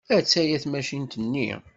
Attaya tmacint-nni.